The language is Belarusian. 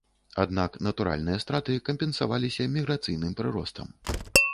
Аднак натуральныя страты кампенсаваліся міграцыйным прыростам.